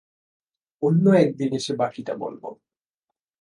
অন্য এক দিন এসে বাকিটা বলব।